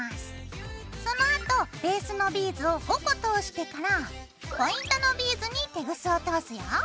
そのあとベースのビーズを５個通してからポイントのビーズにテグスを通すよ。